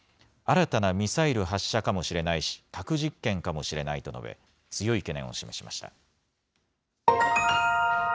新たなミサイル発射かもしれないし、核実験かもしれないと述べ、強い懸念を示しました。